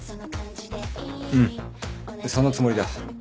うんそのつもりだ。